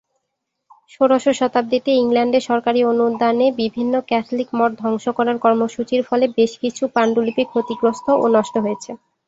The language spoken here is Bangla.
ষোড়শ শতাব্দীতে ইংল্যান্ডে সরকারী অনুদানে বিভিন্ন ক্যাথলিক মঠ ধ্বংস করার কর্মসূচীর ফলে বেশ কিছু পাণ্ডুলিপি ক্ষতিগ্রস্ত ও নষ্ট হয়েছে।